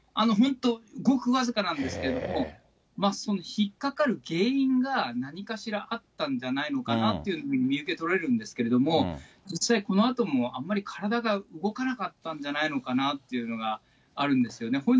本当、ごく僅かなんですけれども、その引っ掛かる原因が何かしらあったんじゃないのかなっていうふうに見受け取れるんですけれども、実際このあともあんまり体が動かなかったんじゃないのかなというのがあるんですよね。